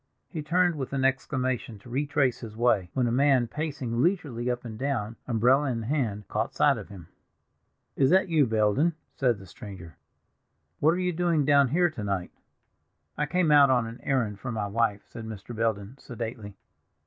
He turned with an exclamation to retrace his way, when a man pacing leisurely up and down, umbrella in hand, caught sight of him. "Is that you, Belden?" said the stranger. "What are you doing down here to night?" "I came out on an errand for my wife," said Mr. Belden sedately.